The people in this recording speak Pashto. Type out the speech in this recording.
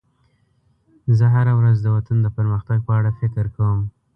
زه هره ورځ د وطن د پرمختګ په اړه فکر کوم.